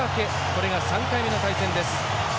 これが３回目の対戦です。